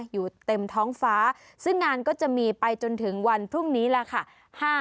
อยู่เต็มท้องฟ้าซึ่งงานก็จะมีไปจนถึงวันพรุ่งนี้แหละค่ะ